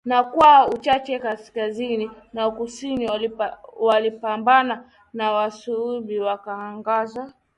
Na kwa uchache kaskazini na kusini walipakana na wasubi wahangaza